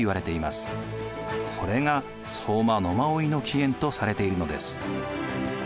これが相馬野馬追の起源とされているのです。